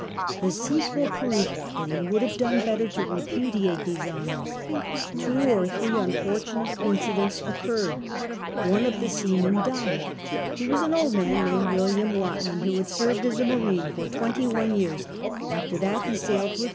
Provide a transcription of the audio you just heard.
The sequel proved that he would have done better to repudiate these honours. Two or three unfortunate incidents occurred. One of the seamen died. • He was an old man named William Watman, who had served as a marine for twenty one years; after that he sailed with